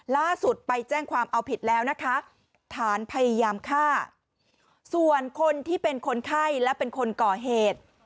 ล่าสุดไปแจ้งความเอาผิดแล้วนะคะฐานพยายามฆ่าส่วนคนที่เป็นคนไข้และเป็นคนก่อเหตุ